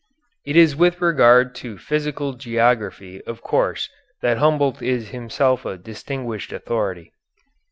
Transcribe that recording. It is with regard to physical geography of course that Humboldt is himself a distinguished authority.